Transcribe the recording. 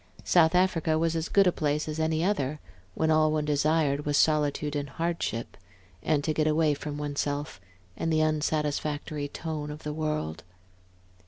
South Africa was as good a place as any other, when all one desired was solitude and hardship, and to get away from one's self, and the unsatisfactory tone of the world.